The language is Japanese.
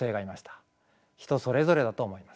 人それぞれだと思います。